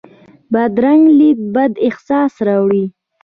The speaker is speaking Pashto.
بدرنګه لید بد احساس راولي